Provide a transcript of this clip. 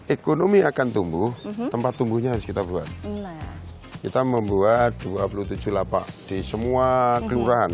ekonomi akan tumbuh tempat tumbuhnya harus kita buat kita membuat dua puluh tujuh lapak di semua kelurahan